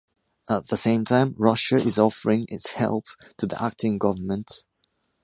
At the same time, Russia is offering its help to the acting government;